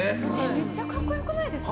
めっちゃ格好良くないですか？